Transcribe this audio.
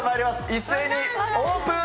一斉にオープン。